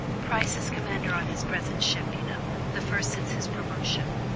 Price is commander on his present ship, you know; the first since his promotion."